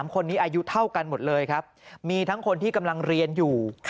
๓คนนี้อายุเท่ากันหมดเลยครับมีทั้งคนที่กำลังเรียนอยู่